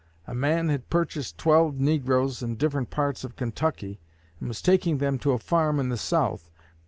A man had purchased twelve negroes in different parts of Kentucky, and was taking them to a farm in the South.